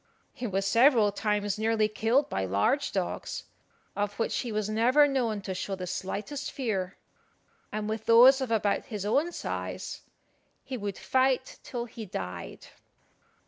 He was several times nearly killed by large dogs, of which he was never known to show the slightest fear; and with those of about his own size he would fight till he died.